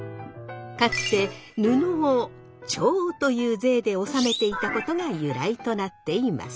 かつて布を調という税で納めていたことが由来となっています。